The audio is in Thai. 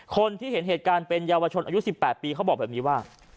คนที่เห็นเหตุการณ์เป็นเยาวชนอายุ๑๘ปีเขาบอกแบบนี้ว่า